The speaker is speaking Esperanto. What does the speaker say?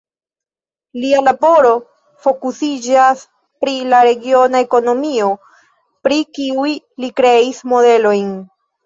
Lia laboro fokusiĝas pri la regiona ekonomio, pri kiuj li kreis modelojn.